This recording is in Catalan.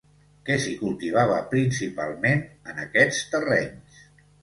Què s'hi cultivava principalment en aquests terrenys?